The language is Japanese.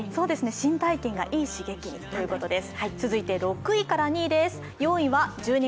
新体験がいい刺激にということです。